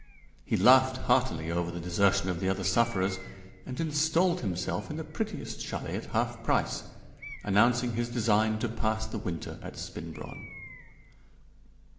He laughed heartily over the desertion of the other sufferers, and installed himself in the prettiest châlet at half price, announcing his design to pass the winter at Spinbronn.